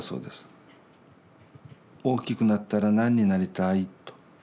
「大きくなったら何になりたい？」と。